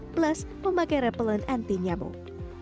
plus memakai repelan anti nyamuk